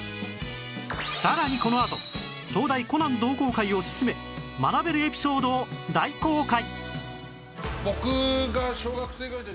さらにこのあと東大コナン同好会オススメ学べるエピソードを大公開！